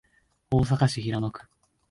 大阪市平野区